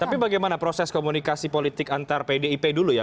tapi bagaimana proses komunikasi politik antar pdip dulu ya